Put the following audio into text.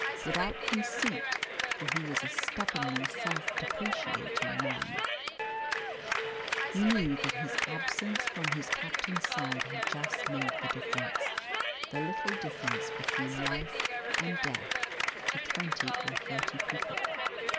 Without conceit for he was a stubbornly self depreciating man he knew that his absence from his captain's side had just made the difference the little difference between life and death to twenty or thirty people.